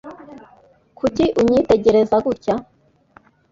Kuki unyitegereza gutya